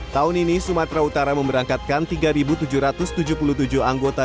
tahun ini sumatera utara memberangkatkan tiga tujuh ratus tujuh puluh tujuh anggota